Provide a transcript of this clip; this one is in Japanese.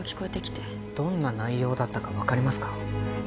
どんな内容だったかわかりますか？